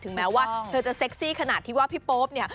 แม้ว่าเธอจะเซ็กซี่ขนาดที่ว่าพี่โป๊ปเนี่ย